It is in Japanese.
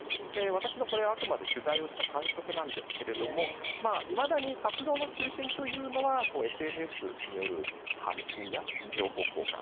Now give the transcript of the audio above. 私のあくまで取材をした感触ですがいまだに活動の中心というのはＳＮＳによる発信や情報交換